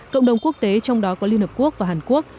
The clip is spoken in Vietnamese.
cộng đồng quốc tế trong đó có liên hợp quốc và hàn quốc